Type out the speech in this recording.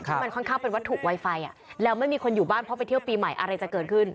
มันค่อนข้างเป็นวัตถุไวไฟแล้วไม่มีคนอยู่บ้านเพราะไปเที่ยวปีใหม่อะไรจะเกิดขึ้น